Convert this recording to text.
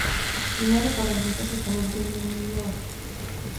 Jméno panovníka se samozřejmě měnilo.